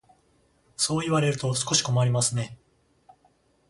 そう言われると少し困りますね。